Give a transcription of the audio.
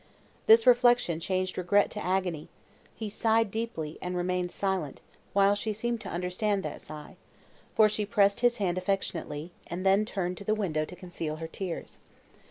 This reflection changed regret to agony; he sighed deeply, and remained silent, while she seemed to understand that sigh, for she pressed his hand affectionately, and then turned to the window to conceal her tears.